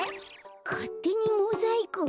かってにモザイクン？